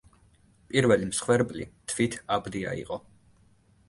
პირველი მსხვერპლი თვით აბდია იყო.